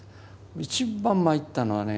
一番まいったのはね